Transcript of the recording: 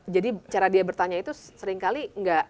jadi cara dia bertanya itu seringkali